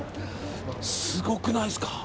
すごくないですか。